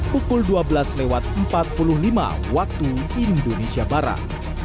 pukul dua belas empat puluh lima waktu indonesia barat